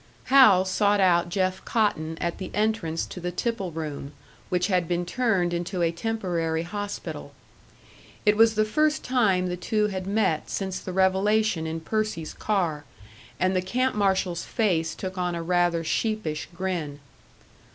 Hal sought out Jeff Cotton at the entrance to the tipple room, which had been turned into a temporary hospital. It was the first time the two had met since the revelation in Percy's car, and the camp marshal's face took on a rather sheepish grin.